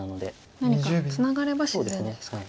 何かツナがれば自然ですかね。